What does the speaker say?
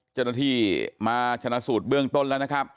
เจ้าหน้าที่มาชนะสูตรเบื้องต้นแล้วนะครับ